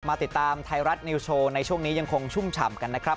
ติดตามไทยรัฐนิวโชว์ในช่วงนี้ยังคงชุ่มฉ่ำกันนะครับ